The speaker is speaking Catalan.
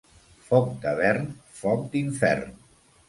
Foc de vern, foc d'infern.